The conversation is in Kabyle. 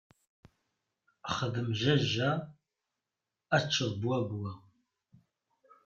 Xdem jajja, ad tteččeḍ bwabbwa!